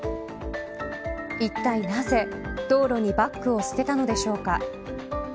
いったいなぜ道路にバックを捨てたのでしょうか。